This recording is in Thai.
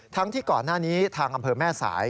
ที่ก่อนหน้านี้ทางอำเภอแม่สาย